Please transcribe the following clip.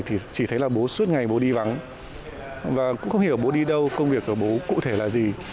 thì chỉ thấy là bố suốt ngày bố đi vắng và cũng không hiểu bố đi đâu công việc của bố cụ thể là gì